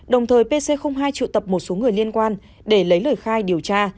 đồng thời pc hai triệu tập một số người liên quan để lấy lời khai điều tra